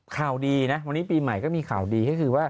ข่าวดีนะวันนี้ปีใหม่ก็มีข่าวดี